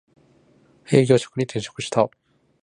営業職に転職した